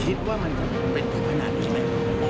คิดว่ามันจะเป็นแบบนี้ไหม